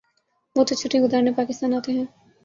وہ تو چھٹیاں گزارنے پاکستان آتے ہیں۔